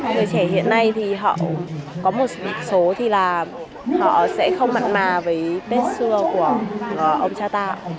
người trẻ hiện nay thì họ có một số thì là họ sẽ không mặn mà với tết xưa của ông cha ta